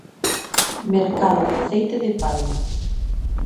Mercado de aceite de palma.